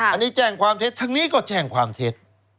อันนี้แจ้งความเท็จทั้งนี้ก็แจ้งความเท็จ